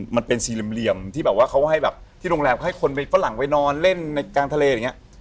มันเป็นสี่เหลี่ยมที่แบบว่าเขาให้แบบที่โรงแรมให้คนไปฝรั่งไปนอนเล่นในกลางทะเลอย่างนี้